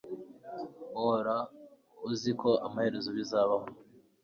Uhora uzi ko amaherezo bizabaho